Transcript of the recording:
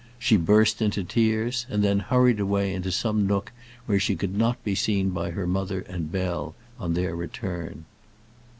She burst into tears, and then hurried away into some nook where she could not be seen by her mother and Bell on their return.